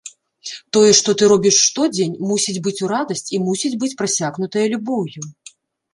Тое, што ты робіш штодзень, мусіць быць у радасць і мусіць быць прасякнутае любоўю.